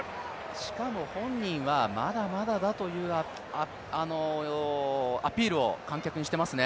しかも、本人はまだまだだというアピールを観客にしていますね。